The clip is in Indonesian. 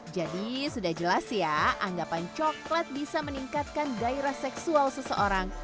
jadi sudah jelas ya anggapan coklat bisa meningkatkan gairah seksual seseorang